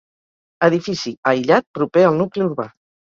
Edifici aïllat proper al nucli urbà.